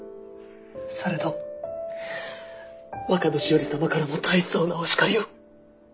されど若年寄様からも大層なお叱りを。